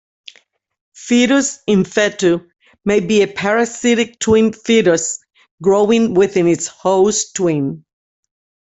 Fetus in fetu may be a parasitic twin fetus growing within its host twin.